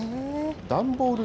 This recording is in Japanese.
段ボール